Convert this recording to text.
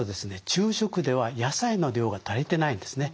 昼食では野菜の量が足りてないんですね。